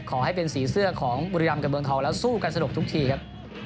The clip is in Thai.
ขอให้เป็นสีเสื้อของบุรีรำกับเมืองทองแล้วสู้กันสนุกทุกทีครับ